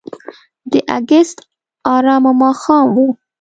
د اګست آرامه ماښام و.